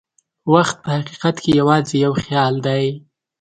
وخت په حقیقت کې یوازې یو خیال دی.